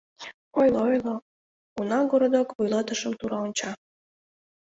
Ойло, ойло, — уна городок вуйлатышым тура онча.